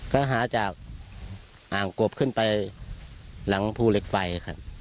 ก็หาจากอ่างกบขึ้นไปหลังภูเหล็กไฟครับ